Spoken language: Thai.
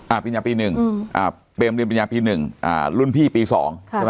อ่าปริญญาปี๑อ่าเปรมเรียนปริญญาปี๑อ่ารุ่นพี่ปี๒ใช่ไหม